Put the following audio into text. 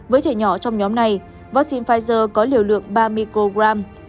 với trẻ nhỏ trong nhóm này vaccine pfizer có liều lượng ba microgram